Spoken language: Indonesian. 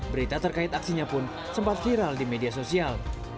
berita terkait aksinya pun sempat viral di media sosial